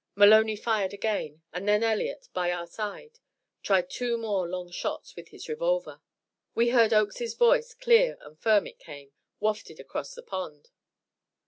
Maloney fired again, and again Elliott, by our side, tried two more long shots with his revolver. We heard Oakes's voice, clear and firm it came, wafted across the pond.